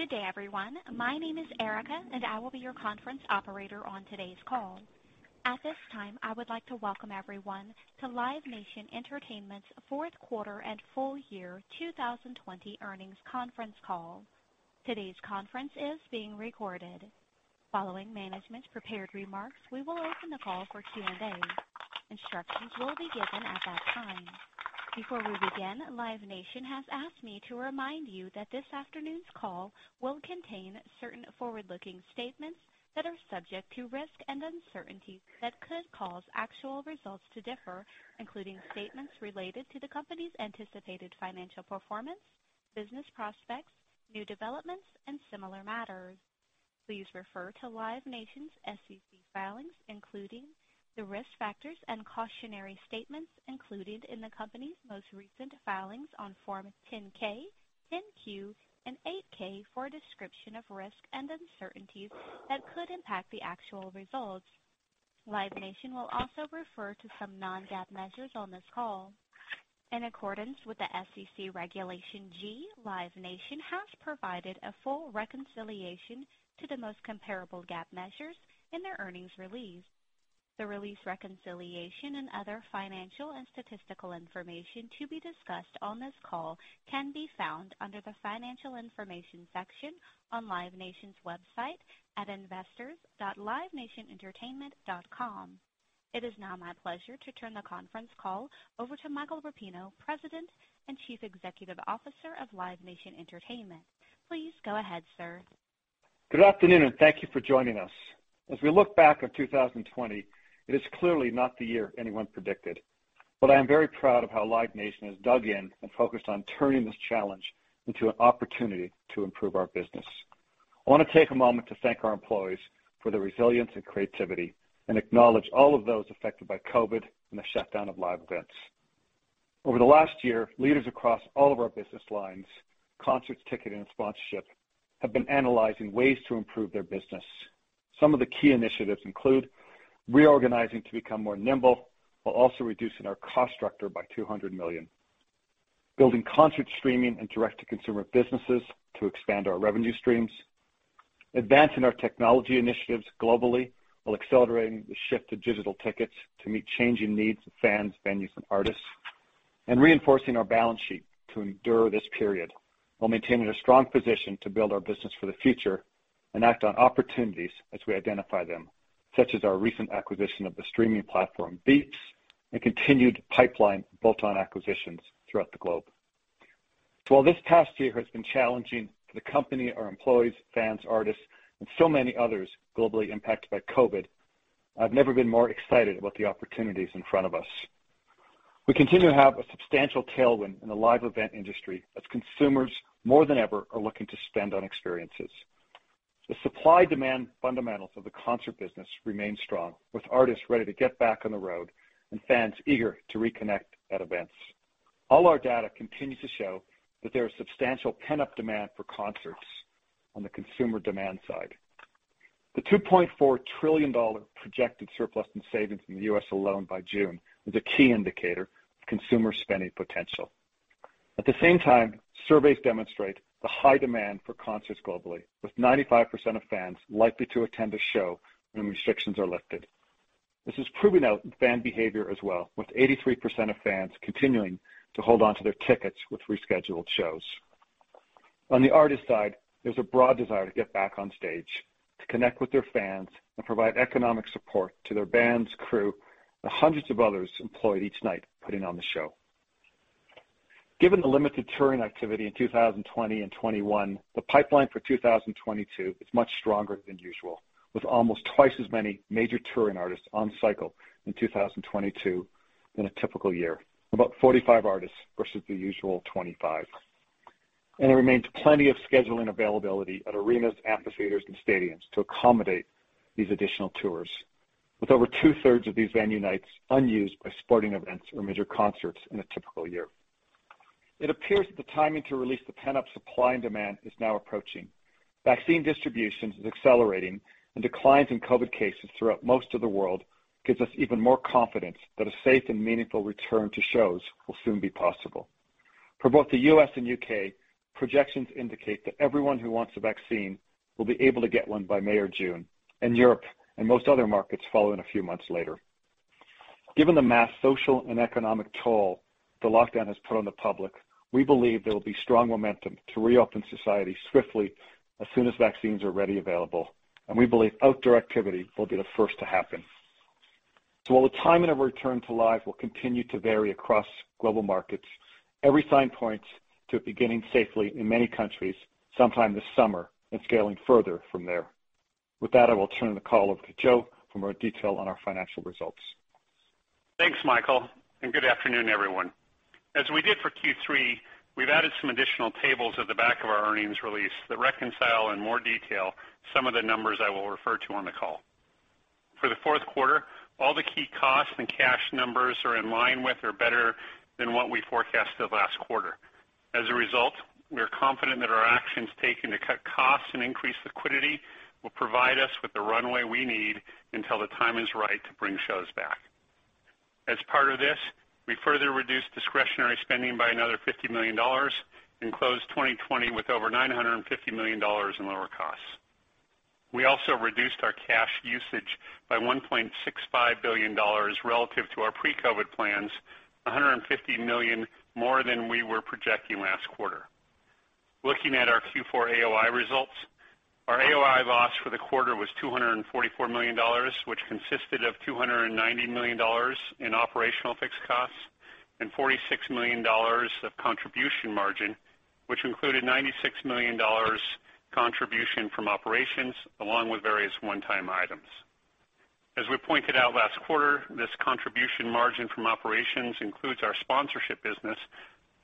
Good day, everyone. My name is Erica, and I will be your conference operator on today's call. At this time, I would like to welcome everyone to Live Nation Entertainment's fourth quarter and full year 2020 earnings conference call. Today's conference is being recorded. Following management's prepared remarks, we will open the call for Q&A. Instructions will be given at that time. Before we begin, Live Nation has asked me to remind you that this afternoon's call will contain certain forward-looking statements that are subject to risks and uncertainties that could cause actual results to differ, including statements related to the company's anticipated financial performance, business prospects, new developments, and similar matters. Please refer to Live Nation's SEC filings, including the risk factors and cautionary statements included in the company's most recent filings on Form 10-K, 10-Q, and 8-K for a description of risks and uncertainties that could impact the actual results. Live Nation will also refer to some non-GAAP measures on this call. In accordance with the SEC Regulation G, Live Nation has provided a full reconciliation to the most comparable GAAP measures in their earnings release. The release reconciliation and other financial and statistical information to be discussed on this call can be found under the Financial Information section on Live Nation's website at investors.livenationentertainment.com. It is now my pleasure to turn the conference call over to Michael Rapino, President and Chief Executive Officer of Live Nation Entertainment. Please go ahead, sir. Good afternoon, and thank you for joining us. As we look back on 2020, it is clearly not the year anyone predicted. I am very proud of how Live Nation has dug in and focused on turning this challenge into an opportunity to improve our business. I want to take a moment to thank our employees for their resilience and creativity and acknowledge all of those affected by COVID and the shutdown of live events. Over the last year, leaders across all of our business lines, concerts, ticketing, and sponsorship, have been analyzing ways to improve their business. Some of the key initiatives include reorganizing to become more nimble, while also reducing our cost structure by $200 million. Building concert streaming and direct-to-consumer businesses to expand our revenue streams. Advancing our technology initiatives globally while accelerating the shift to digital tickets to meet changing needs of fans, venues, and artists. Reinforcing our balance sheet to endure this period while maintaining a strong position to build our business for the future and act on opportunities as we identify them, such as our recent acquisition of the streaming platform, Veeps, and continued pipeline bolt-on acquisitions throughout the globe. While this past year has been challenging for the company, our employees, fans, artists, and so many others globally impacted by COVID, I've never been more excited about the opportunities in front of us. We continue to have a substantial tailwind in the live event industry as consumers, more than ever, are looking to spend on experiences. The supply-demand fundamentals of the concert business remain strong, with artists ready to get back on the road and fans eager to reconnect at events. All our data continues to show that there is substantial pent-up demand for concerts on the consumer demand side. The $2.4 trillion projected surplus in savings in the U.S. alone by June is a key indicator of consumer spending potential. At the same time, surveys demonstrate the high demand for concerts globally, with 95% of fans likely to attend a show when restrictions are lifted. This is proven out in fan behavior as well, with 83% of fans continuing to hold onto their tickets with rescheduled shows. On the artist side, there's a broad desire to get back on stage, to connect with their fans, and provide economic support to their bands, crew, and hundreds of others employed each night putting on the show. Given the limited touring activity in 2020 and 2021, the pipeline for 2022 is much stronger than usual, with almost twice as many major touring artists on cycle in 2022 than a typical year. About 45 artists versus the usual 25. There remains plenty of scheduling availability at arenas, amphitheaters, and stadiums to accommodate these additional tours, with over 2/3 of these venue nights unused by sporting events or major concerts in a typical year. It appears that the timing to release the pent-up supply and demand is now approaching. Vaccine distribution is accelerating, and declines in COVID cases throughout most of the world gives us even more confidence that a safe and meaningful return to shows will soon be possible. For both the U.S. and U.K., projections indicate that everyone who wants a vaccine will be able to get one by May or June, and Europe and most other markets following a few months later. Given the mass social and economic toll the lockdown has put on the public, we believe there will be strong momentum to reopen society swiftly as soon as vaccines are readily available, and we believe outdoor activity will be the first to happen. While the timing of a return to life will continue to vary across global markets, every sign points to it beginning safely in many countries sometime this summer and scaling further from there. With that, I will turn the call over to Joe for more detail on our financial results. Thanks, Michael. Good afternoon, everyone. As we did for Q3, we've added some additional tables at the back of our earnings release that reconcile in more detail some of the numbers I will refer to on the call. For the fourth quarter, all the key costs and cash numbers are in line with or better than what we forecasted last quarter. As a result, we are confident that our actions taken to cut costs and increase liquidity will provide us with the runway we need until the time is right to bring shows back. As part of this, we further reduced discretionary spending by another $50 million and closed 2020 with over $950 million in lower costs. We also reduced our cash usage by $1.65 billion relative to our pre-COVID plans, $150 million more than we were projecting last quarter. Looking at our Q4 AOI results, our AOI loss for the quarter was $244 million, which consisted of $290 million in operational fixed costs and $46 million of contribution margin, which included $96 million contribution from operations along with various one-time items. As we pointed out last quarter, this contribution margin from operations includes our sponsorship business,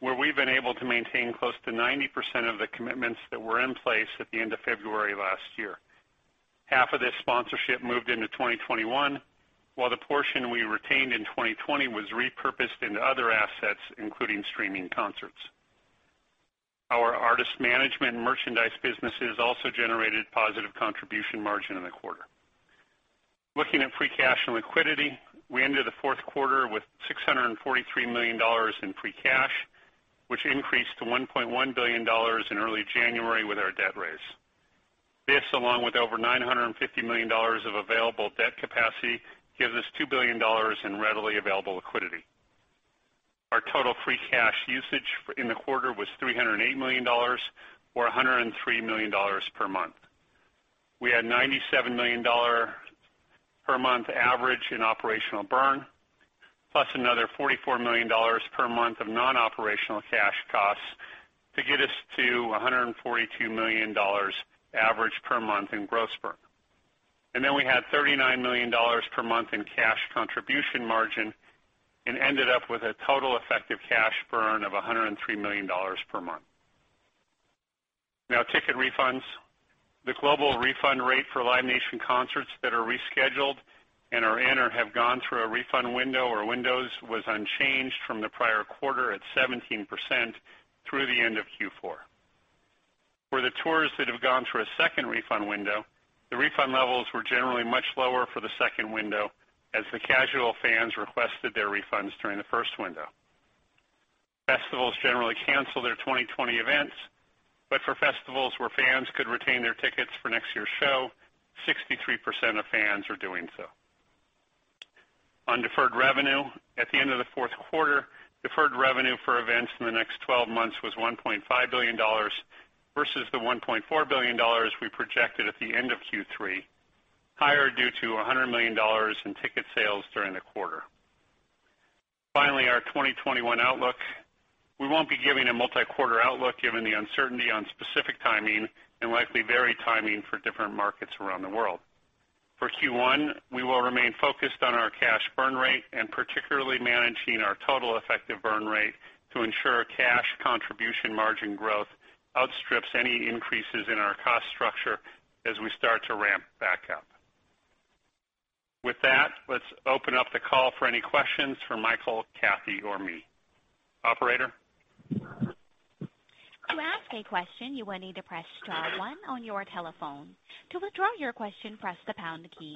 where we've been able to maintain close to 90% of the commitments that were in place at the end of February last year. Half of this sponsorship moved into 2021, while the portion we retained in 2020 was repurposed into other assets, including streaming concerts. Our artist management merchandise businesses also generated positive contribution margin in the quarter. Looking at free cash and liquidity, we ended the fourth quarter with $643 million in free cash, which increased to $1.1 billion in early January with our debt raise. This, along with over $950 million of available debt capacity, gives us $2 billion in readily available liquidity. Our total free cash usage in the quarter was $308 million or $103 million per month. We had $97 million per month average in operational burn, plus another $44 million per month of non-operational cash costs to get us to $142 million average per month in gross burn. We had $39 million per month in cash contribution margin and ended up with a total effective cash burn of $103 million per month. Now, ticket refunds. The global refund rate for Live Nation concerts that are rescheduled and are in or have gone through a refund window or windows was unchanged from the prior quarter at 17% through the end of Q4. For the tours that have gone through a second refund window, the refund levels were generally much lower for the second window as the casual fans requested their refunds during the first window. Festivals generally cancel their 2020 events, but for festivals where fans could retain their tickets for next year's show, 63% of fans are doing so. On deferred revenue, at the end of the fourth quarter, deferred revenue for events in the next 12 months was $1.5 billion versus the $1.4 billion we projected at the end of Q3, higher due to $100 million in ticket sales during the quarter. Our 2021 outlook. We won't be giving a multi-quarter outlook given the uncertainty on specific timing and likely varied timing for different markets around the world. For Q1, we will remain focused on our cash burn rate and particularly managing our total effective burn rate to ensure cash contribution margin growth outstrips any increases in our cost structure as we start to ramp back up. With that, let's open up the call for any questions for Michael, Kathy, or me. Operator? To ask a question, you will need to press star one on your telephone. To withdraw your question, press the pound key.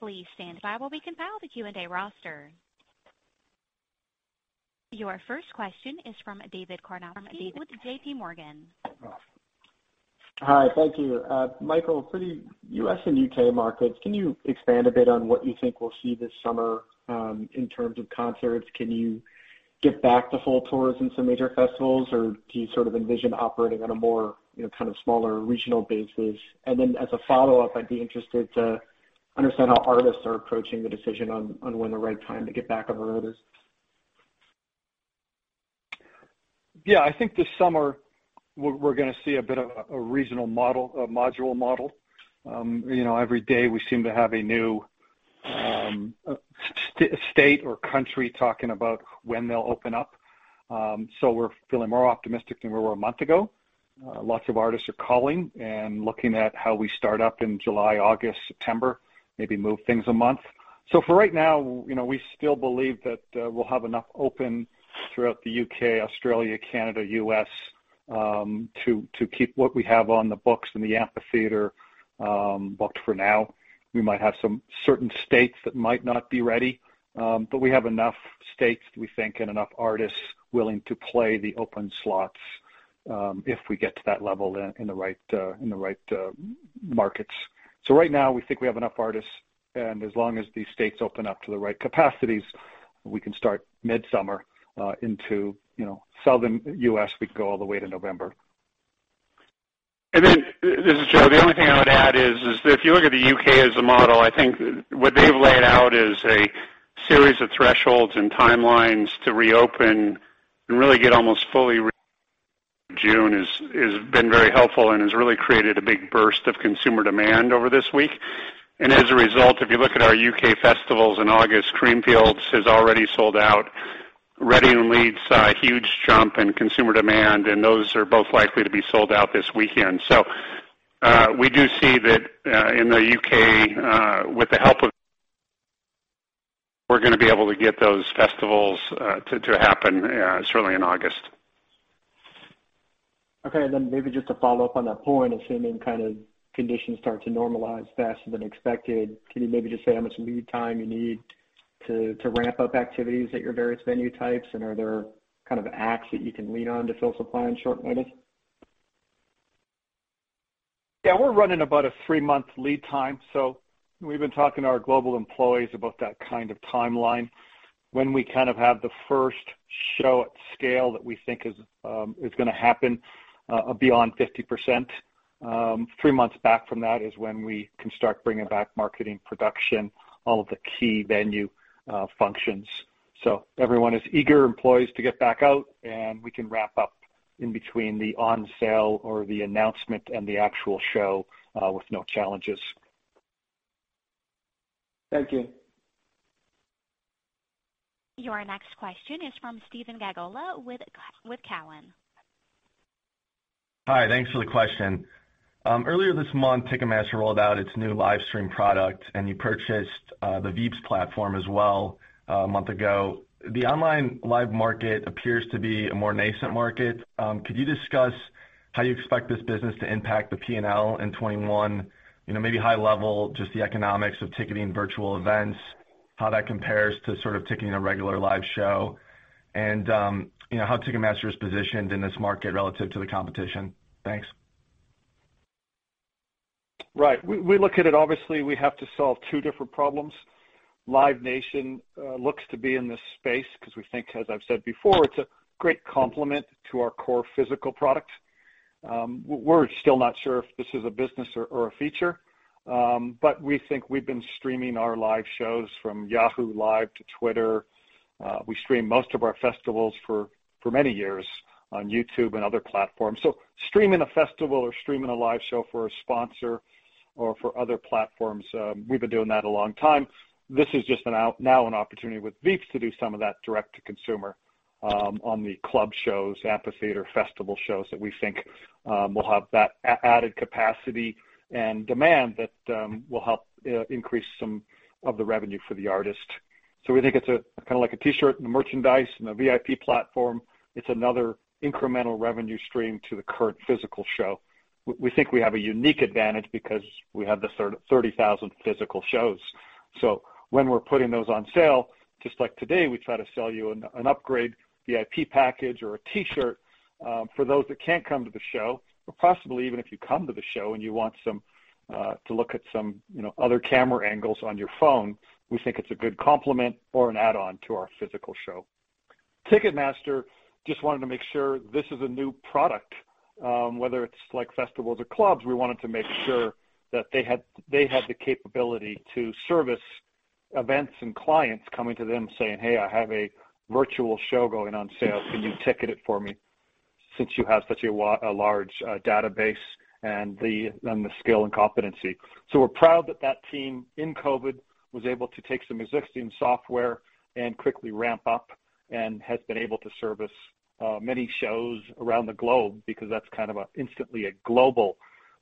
Please stand by while we compile the Q&A roster. Your first question is from David Karnovsky with JPMorgan. Hi. Thank you. Michael, for the U.S. and U.K. markets, can you expand a bit on what you think we'll see this summer in terms of concerts? Can you get back to full tours in some major festivals, or do you sort of envision operating on a more kind of smaller regional basis? Then as a follow-up, I'd be interested to understand how artists are approaching the decision on when the right time to get back on the road is. I think this summer we're going to see a bit of a regional model, a module model. Every day, we seem to have a new state or country talking about when they'll open up. We're feeling more optimistic than we were a month ago. Lots of artists are calling and looking at how we start up in July, August, September, maybe move things a month. For right now, we still believe that we'll have enough open throughout the U.K., Australia, Canada, U.S., to keep what we have on the books in the amphitheater booked for now. We might have some certain states that might not be ready. We have enough states, we think, and enough artists willing to play the open slots if we get to that level in the right markets. Right now, we think we have enough artists, and as long as these states open up to the right capacities, we can start midsummer into Southern U.S. We can go all the way to November. This is Joe. The only thing I would add is if you look at the U.K. as a model, I think what they've laid out is a series of thresholds and timelines to reopen and really get almost fully. June has been very helpful and has really created a big burst of consumer demand over this week. As a result, if you look at our U.K. festivals in August, Creamfields has already sold out. Reading and Leeds saw a huge jump in consumer demand, and those are both likely to be sold out this weekend. We do see that in the U.K., with the help of we're going to be able to get those festivals to happen certainly in August. Okay, maybe just to follow up on that point, assuming conditions start to normalize faster than expected, can you maybe just say how much lead time you need to ramp up activities at your various venue types, and are there acts that you can lean on to fill supply on short notice? Yeah, we're running about a three-month lead time, so we've been talking to our global employees about that kind of timeline. When we have the first show at scale that we think is going to happen beyond 50%, three months back from that is when we can start bringing back marketing, production, all of the key venue functions. Everyone is eager, employees, to get back out, and we can wrap up in between the on sale or the announcement and the actual show with no challenges. Thank you. Your next question is from Stephen Glagola with Cowen. Hi. Thanks for the question. Earlier this month, Ticketmaster rolled out its new livestream product, and you purchased the Veeps platform as well a month ago. The online live market appears to be a more nascent market. Could you discuss how you expect this business to impact the P&L in 2021? Maybe high level, just the economics of ticketing virtual events, how that compares to ticketing a regular live show, and how Ticketmaster is positioned in this market relative to the competition. Thanks. Right. We look at it, obviously, we have to solve two different problems. Live Nation looks to be in this space because we think, as I've said before, it's a great complement to our core physical product. We're still not sure if this is a business or a feature, but we think we've been streaming our live shows from Yahoo Live to Twitter. We streamed most of our festivals for many years on YouTube and other platforms. Streaming a festival or streaming a live show for a sponsor or for other platforms, we've been doing that a long time. This is just now an opportunity with Veeps to do some of that direct-to-consumer on the club shows, amphitheater festival shows that we think will have that added capacity and demand that will help increase some of the revenue for the artist. We think it's like a T-shirt and the merchandise and the VIP platform. It's another incremental revenue stream to the current physical show. We think we have a unique advantage because we have the 30,000 physical shows. When we're putting those on sale, just like today, we try to sell you an upgrade VIP package or a T-shirt for those that can't come to the show or possibly even if you come to the show and you want to look at some other camera angles on your phone. Ticketmaster just wanted to make sure this is a new product. Whether it's festivals or clubs, we wanted to make sure that they had the capability to service events and clients coming to them saying, "Hey, I have a virtual show going on sale. Can you ticket it for me since you have such a large database and the skill and competency?" We're proud that that team in COVID was able to take some existing software and quickly ramp up and has been able to service many shows around the globe because that's instantly a global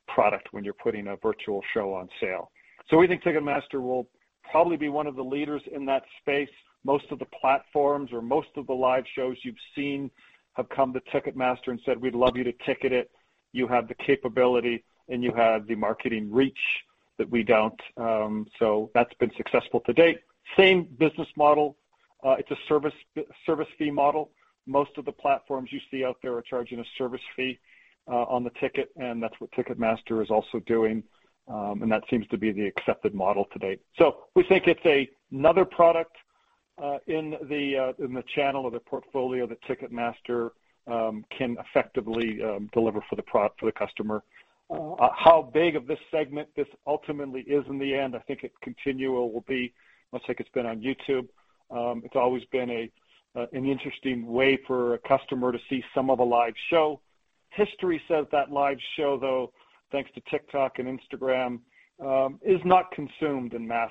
product when you're putting a virtual show on sale. We think Ticketmaster will probably be one of the leaders in that space. Most of the platforms or most of the live shows you've seen have come to Ticketmaster and said, "We'd love you to ticket it. You have the capability and you have the marketing reach that we don't." That's been successful to date. Same business model. It's a service fee model. Most of the platforms you see out there are charging a service fee on the ticket, and that's what Ticketmaster is also doing. That seems to be the accepted model to date. We think it's another product in the channel or the portfolio that Ticketmaster can effectively deliver for the customer. How big of this segment this ultimately is in the end, I think its continual will be much like it's been on YouTube. It's always been an interesting way for a customer to see some of a live show. History says that live show, though, thanks to TikTok and Instagram, is not consumed en masse.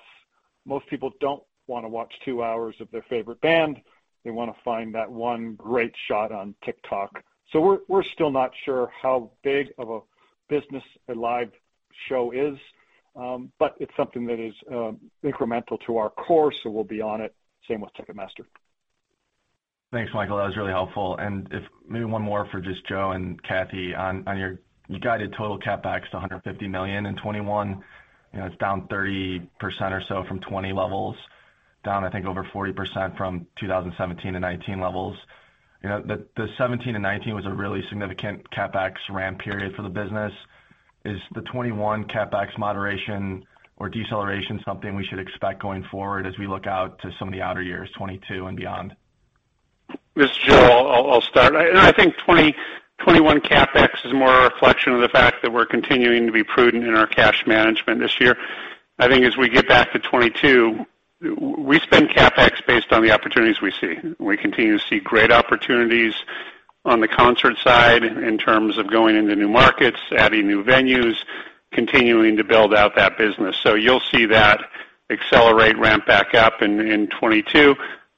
Most people don't want to watch two hours of their favorite band. They want to find that one great shot on TikTok. We're still not sure how big of a business a live show is, but it's something that is incremental to our core, so we'll be on it. Same with Ticketmaster. Thanks, Michael. That was really helpful. If maybe one more for just Joe and Kathy on your guided total CapEx to $150 million in 2021. It's down 30% or so from 2020 levels, down I think over 40% from 2017-2019 levels. The 2017-2019 was a really significant CapEx ramp period for the business. Is the 2021 CapEx moderation or deceleration something we should expect going forward as we look out to some of the outer years, 2022 and beyond? This is Joe. I'll start. I think 2021 CapEx is more a reflection of the fact that we're continuing to be prudent in our cash management this year. I think as we get back to 2022, we spend CapEx based on the opportunities we see. We continue to see great opportunities on the concert side in terms of going into new markets, adding new venues, continuing to build out that business. You'll see that accelerate ramp back up in 2022,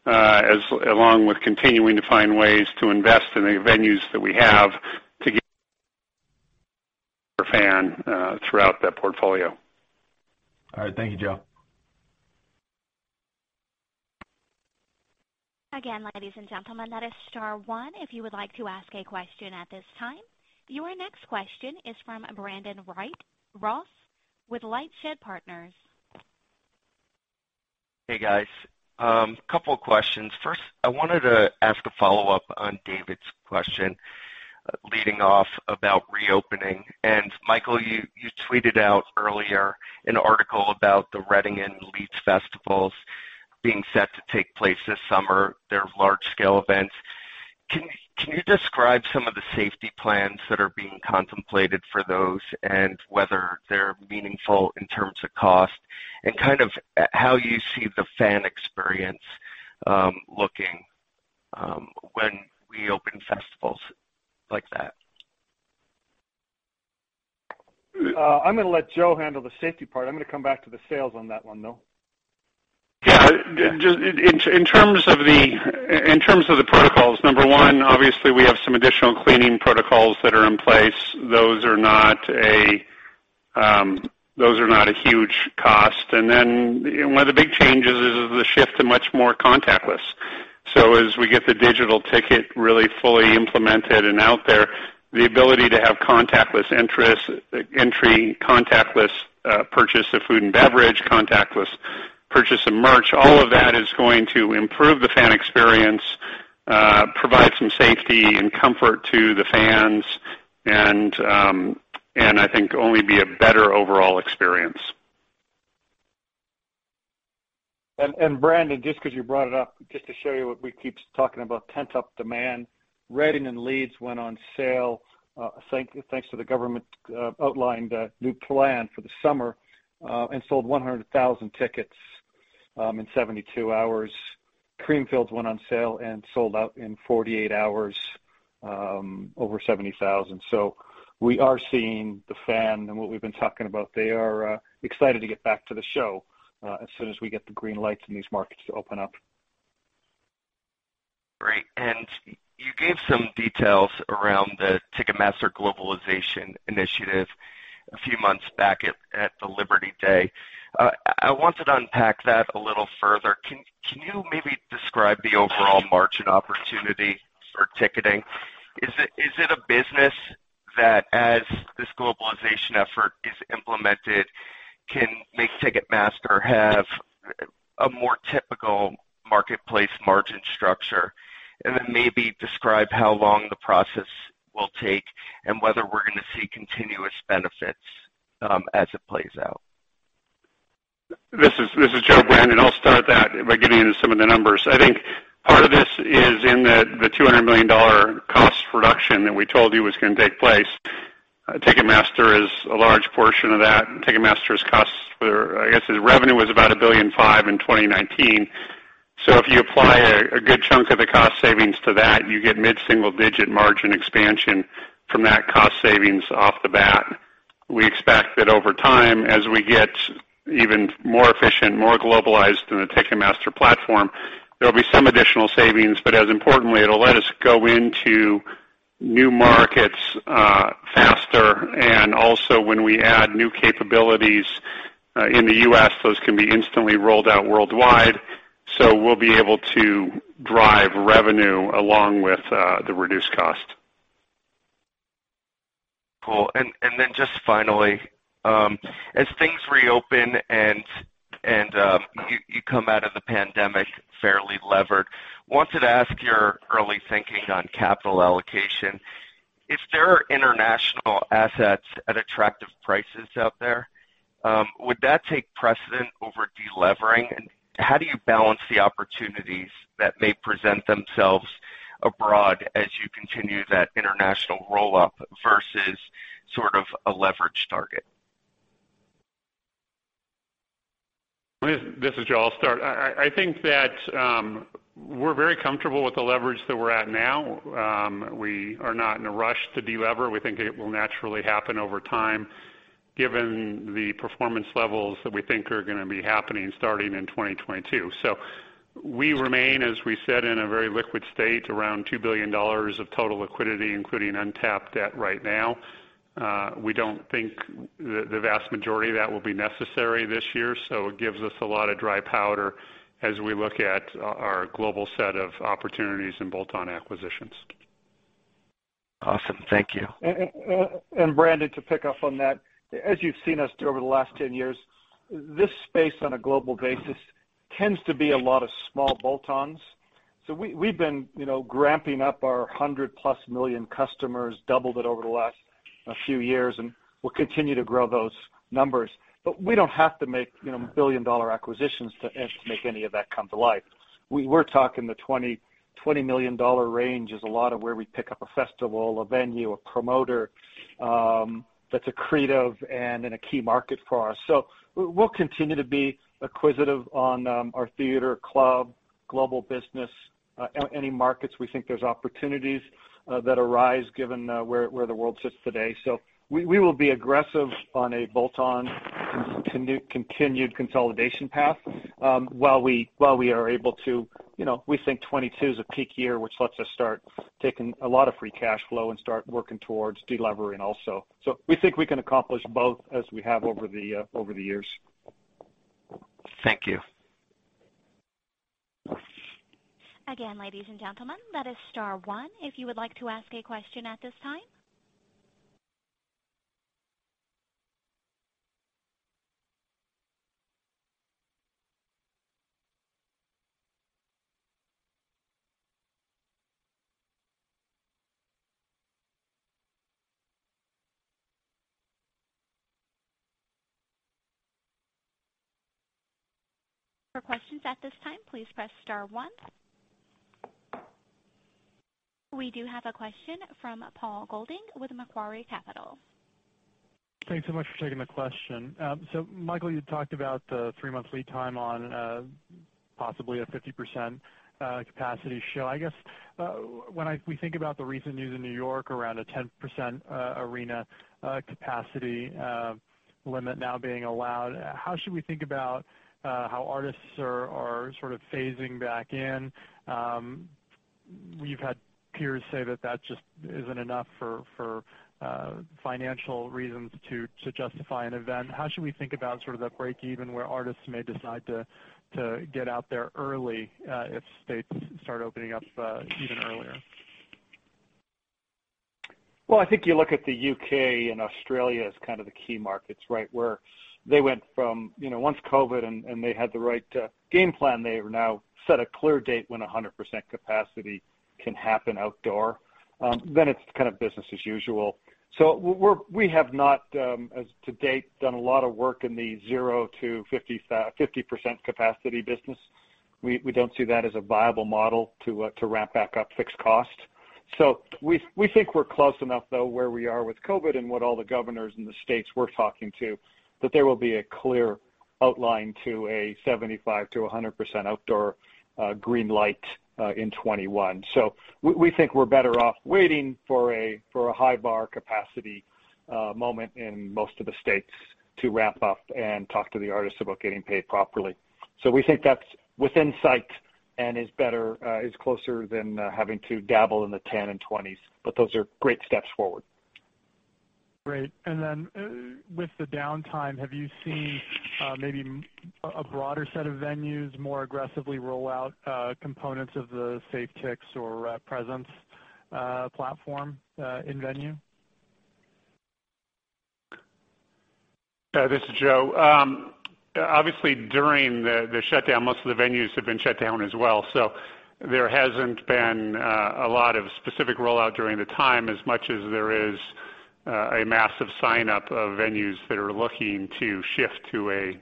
along with continuing to find ways to invest in the venues that we have to get our fan throughout that portfolio. All right. Thank you, Joe. Again, ladies and gentlemen, that is star one if you would like to ask a question at this time. Your next question is from Brandon Ross with LightShed Partners. Hey, guys. Couple of questions. First, I wanted to ask a follow-up on David's question, leading off about reopening. Michael, you tweeted out earlier an article about the Reading and Leeds Festivals being set to take place this summer. They're large-scale events. Can you describe some of the safety plans that are being contemplated for those, and whether they're meaningful in terms of cost? How you see the fan experience looking when we open festivals like that? I'm going to let Joe handle the safety part. I'm going to come back to the sales on that one, though. Yeah. In terms of the protocols, number one, obviously we have some additional cleaning protocols that are in place. Those are not a huge cost. One of the big changes is the shift to much more contactless. As we get the digital ticket really fully implemented and out there, the ability to have contactless entry, contactless purchase of food and beverage, contactless purchase of merch, all of that is going to improve the fan experience, provide some safety and comfort to the fans, and I think only be a better overall experience. Brandon, just because you brought it up, just to show you what we keep talking about pent-up demand. Reading and Leeds went on sale, thanks to the government outlined a new plan for the summer, and sold 100,000 tickets in 72 hours. Creamfields went on sale and sold out in 48 hours, over 70,000. We are seeing the fan and what we've been talking about. They are excited to get back to the show, as soon as we get the green lights in these markets to open up. Great. You gave some details around the Ticketmaster globalization initiative a few months back at the Liberty Day. I wanted to unpack that a little further. Can you maybe describe the overall margin opportunity for ticketing? Is it a business that, as this globalization effort is implemented, can make Ticketmaster have a more typical marketplace margin structure? Then maybe describe how long the process will take, and whether we're going to see continuous benefits as it plays out. This is Joe, Brandon. I'll start that by getting into some of the numbers. I think part of this is in the $200 million cost reduction that we told you was going to take place. Ticketmaster is a large portion of that. Ticketmaster's costs were, I guess, its revenue was about $1.5 billion in 2019. If you apply a good chunk of the cost savings to that, you get mid-single-digit margin expansion from that cost savings off the bat. We expect that over time, as we get even more efficient, more globalized in the Ticketmaster platform, there'll be some additional savings. As importantly, it'll let us go into new markets faster. Also, when we add new capabilities in the U.S., those can be instantly rolled out worldwide. We'll be able to drive revenue along with the reduced cost. Cool. Just finally, as things reopen and you come out of the pandemic fairly levered, I wanted to ask your early thinking on capital allocation. If there are international assets at attractive prices out there, would that take precedent over de-levering? How do you balance the opportunities that may present themselves abroad as you continue that international roll-up versus sort of a leverage target? This is Joe. I'll start. I think that we're very comfortable with the leverage that we're at now. We are not in a rush to de-lever. We think it will naturally happen over time given the performance levels that we think are going to be happening starting in 2022. We remain, as we said, in a very liquid state, around $2 billion of total liquidity, including untapped debt right now. We don't think the vast majority of that will be necessary this year, it gives us a lot of dry powder as we look at our global set of opportunities and bolt-on acquisitions. Awesome. Thank you. Brandon, to pick up on that, as you've seen us do over the last 10 years, this space on a global basis tends to be a lot of small bolt-ons. We've been ramping up our 100+ million customers, doubled it over the last few years, and we'll continue to grow those numbers. We don't have to make billion-dollar acquisitions to make any of that come to life. We were talking the $20 million range is a lot of where we pick up a festival, a venue, a promoter that's accretive and in a key market for us. We'll continue to be acquisitive on our theater, club, global business, any markets we think there's opportunities that arise given where the world sits today. We will be aggressive on a bolt-on, continued consolidation path. While we are able to, we think 2022 is a peak year, which lets us start taking a lot of free cash flow and start working towards de-levering also. We think we can accomplish both as we have over the years. Thank you. Again, ladies and gentlemen, that is star one if you would like to ask a question at this time. For questions at this time, please press star one. We do have a question from Paul Golding with Macquarie Capital. Thanks so much for taking the question. Michael, you talked about the three-month lead time on possibly a 50% capacity show. I guess, when we think about the recent news in New York around a 10% arena capacity limit now being allowed, how should we think about how artists are sort of phasing back in? We've had peers say that that just isn't enough for financial reasons to justify an event. How should we think about sort of the break-even where artists may decide to get out there early if states start opening up even earlier? Well, I think you look at the U.K. and Australia as kind of the key markets, right? Where they went from once COVID, and they had the right game plan, they have now set a clear date when 100% capacity can happen outdoor. It's kind of business as usual. We have not, as to date, done a lot of work in the 0%-50% capacity business. We don't see that as a viable model to ramp back up fixed cost. We think we're close enough though, where we are with COVID and what all the governors and the states we're talking to, that there will be a clear outline to a 75%-100% outdoor green light in 2021. We think we're better off waiting for a high bar capacity moment in most of the states to ramp up and talk to the artists about getting paid properly. We think that's within sight and is closer than having to dabble in the 10 and 20s, but those are great steps forward. Great. With the downtime, have you seen maybe a broader set of venues more aggressively roll out components of the SafeTix or Presence platform in-venue? This is Joe. Obviously, during the shutdown, most of the venues have been shut down as well, so there hasn't been a lot of specific rollout during the time, as much as there is a massive sign-up of venues that are looking to shift to a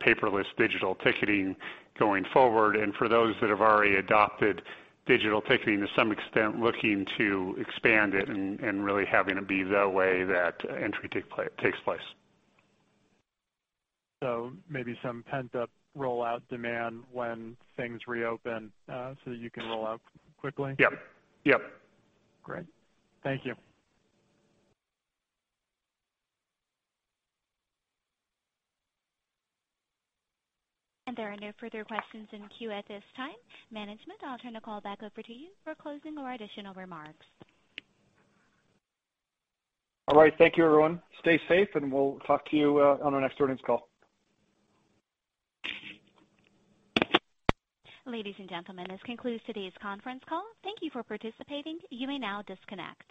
paperless digital ticketing going forward. For those that have already adopted digital ticketing to some extent, looking to expand it and really having it be the way that entry takes place. Maybe some pent-up rollout demand when things reopen so that you can roll out quickly? Yep. Great. Thank you. There are no further questions in queue at this time. Management, I'll turn the call back over to you for closing or additional remarks. All right. Thank you, everyone. Stay safe, and we'll talk to you on our next earnings call. Ladies and gentlemen, this concludes today's conference call. Thank you for participating. You may now disconnect.